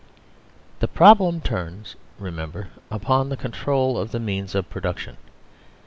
The problem turns, remember, upon the control of the means of production.